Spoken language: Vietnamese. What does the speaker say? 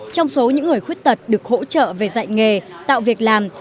trong số những người khuyết tật được hỗ trợ về dạy nghề tạo việc làm